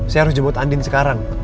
saya harus jemput andin sekarang